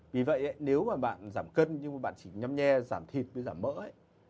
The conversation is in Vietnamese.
vì vậy nếu mà bạn giảm cân nhưng mà bạn chỉ nhâm nhe giảm thịt với giảm mỡ ấy